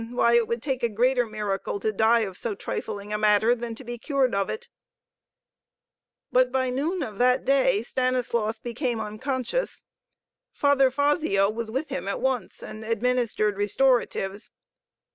Why, it would take a greater miracle to die of so trifling a matter than to be cured of it." But by noon of that day Stanislaus became unconscious. Father Fazio was with him at once and administered restoratives.